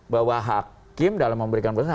bahwa hakim dalam memberikan keputusan